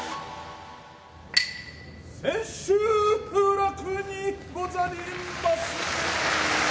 千秋楽にござりまする。